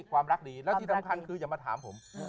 ความรักดีแล้วที่สำคัญคืออย่ามาถามผม